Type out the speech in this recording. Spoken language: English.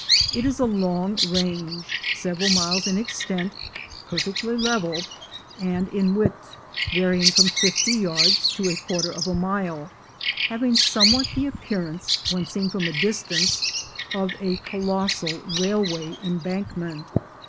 It is a long range, several miles in extent, perfectly level, and in width varying from fifty yards to a quarter of a mile, having somewhat the appearance, when seen from a distance, of a colossal railway embankment.